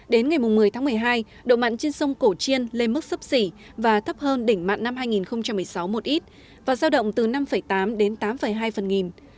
đến ngày một mươi tháng một mươi hai độ mặn trên sông cổ chiên lên mức sấp xỉ và thấp hơn đỉnh mặn năm hai nghìn một mươi sáu một ít và giao động từ năm tám đến tám hai phần nghìn